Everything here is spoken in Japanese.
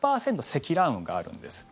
積乱雲があるんです。